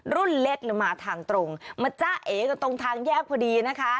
รุ่นเล็กมาทางตรงมาจ้าเอกับตรงทางแยกพอดีนะคะ